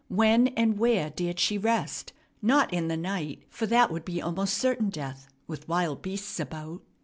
When and where dared she rest? Not in the night, for that would be almost certain death, with wild beasts about.